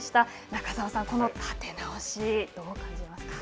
中澤さん、この立て直しどう感じますか。